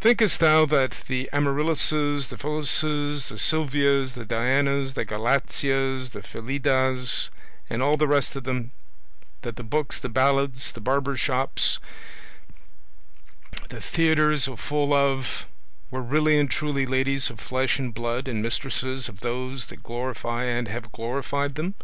Thinkest thou that the Amarillises, the Phillises, the Sylvias, the Dianas, the Galateas, the Filidas, and all the rest of them, that the books, the ballads, the barber's shops, the theatres are full of, were really and truly ladies of flesh and blood, and mistresses of those that glorify and have glorified them?